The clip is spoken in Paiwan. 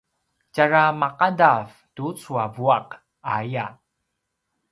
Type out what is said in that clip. tjara maqadav tucu a vuaq aya